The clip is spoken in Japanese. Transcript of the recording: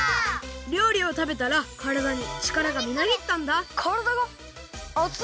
りょうりをたべたらからだにちからがみなぎったんだからだがあつい。